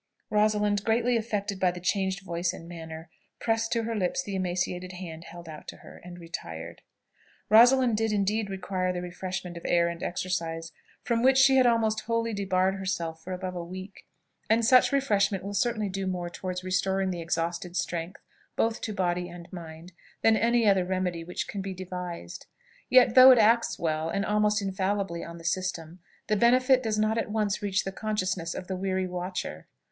Rosalind, greatly affected by the changed voice and manner, pressed to her lips the emaciated hand held out to her, and retired. Rosalind did indeed require the refreshment of air and exercise, from which she had almost wholly debarred herself for above a week; and such refreshment will certainly do more towards restoring the exhausted strength, both to body and mind, than any other remedy which can be devised. Yet, though it acts well, and almost infallibly, on the system, the benefit does not at once reach the consciousness of the weary watcher.